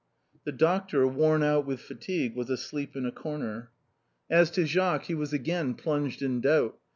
The doctor, worn out with fatigue, was asleep in a corner. As to Jacques, he was again plunged in doubt.